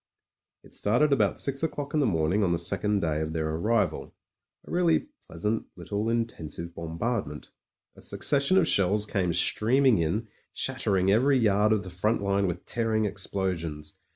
... It started about six o'clock in the morning on the second day of their arrival — 2l really pleasant little in tensive bombardment. A succession of shells came streaming in, shattering every yard of the front line with tearing explosions.